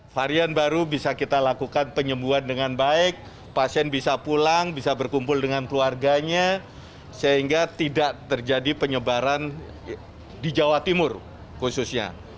varian baru bisa kita lakukan penyembuhan dengan baik pasien bisa pulang bisa berkumpul dengan keluarganya sehingga tidak terjadi penyebaran di jawa timur khususnya